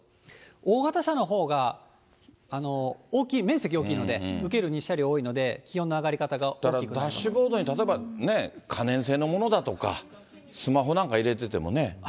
大型車のほうが大きい、面積大きいので、受ける日射量多いので、だからダッシュボードにね、例えば可燃性のものだとか、スマホなんか入れててもね。